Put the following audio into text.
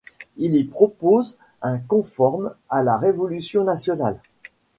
Il y propose un conforme à la Révolution nationale.